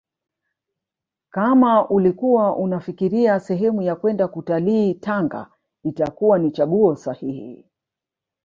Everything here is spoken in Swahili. Kama ulikuwa unafikiria sehemu ya kwenda kutalii Tanga itakuwa ni chaguo sahihi